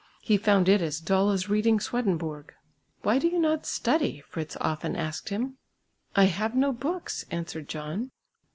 He found it as dull as reading Swedenborg. "Why do you not study?" Fritz often asked him. "I have no books," answered John.